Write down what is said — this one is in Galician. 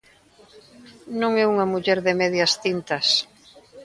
Non é unha muller de medias tintas.